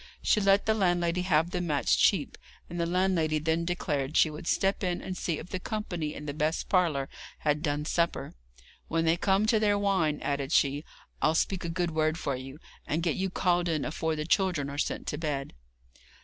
She let the landlady have the mats cheap, and the landlady then declared she would step in and see if the company in the best parlour had done supper. 'When they come to their wine,' added she, 'I'll speak a good word for you, and get you called in afore the children are sent to bed.'